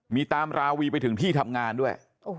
มีตามราวีไปถึงที่ทำงานด้วย